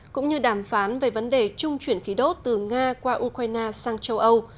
cũng như đàm phán về vấn đề trung chuyển khí đốt từ nga qua ukraine sang châu âu